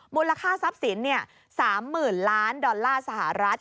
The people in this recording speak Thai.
มูลค่าทรัพย์สิน๓๐๐๐ล้านดอลลาร์สหรัฐ